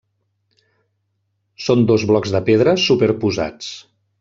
Són dos blocs de pedra superposats.